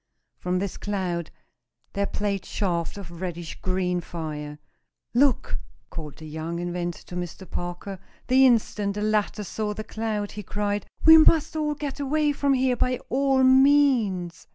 From this cloud there played shafts of reddish green fire. "Look!" called the young inventor to Mr. Parker. The instant the latter saw the cloud, he cried: "We must get away from here by all means!